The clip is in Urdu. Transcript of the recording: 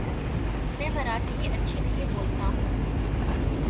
میں مراٹھی اچھی نہیں بولتا ہوں ـ